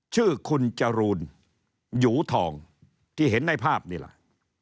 ชื่อคุณจรูนหยูทองที่เห็นในภาพนี่แหละ